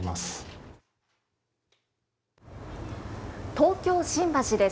東京・新橋です。